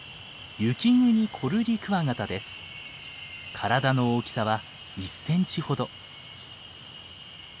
体の大きさは１センチほど。